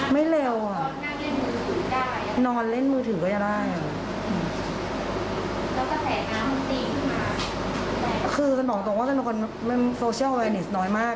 ไม่เร็วอ่ะนอนเล่นมือถือก็จะได้คือฉันบอกตรงว่าฉันเป็นคนโซเชียลแวร์นิสน้อยมาก